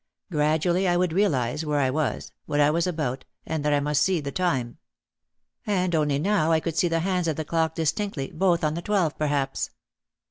Gradually I would realise where I was, what I was about and that I must see the time. And only now I could see the hands of the clock dis tinctly, both on the twelve perhaps.